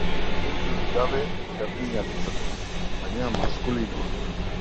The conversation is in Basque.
Punturik gabe berdina litzateke, baina maskulinoa.